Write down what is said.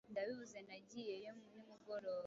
Ndabivuze Nagiye yo nimugoroba